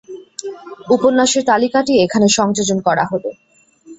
উপন্যাসের তালিকাটি এখানে সংযোজন করা হল।